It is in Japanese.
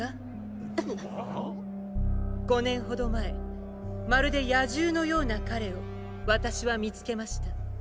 えっ⁉５年ほど前まるで野獣のような彼を私は見つけました。